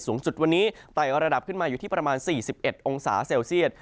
สูงสุดวันนี้ไต่ระดับขึ้นมาอยู่ที่ประมาณ๔๑องศาเซลเซียต